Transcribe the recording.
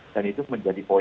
dan itu menjadi poin